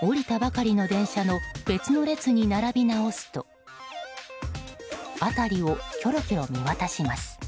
降りたばかりの電車の別の列に並び直すと辺りをきょろきょろ見渡します。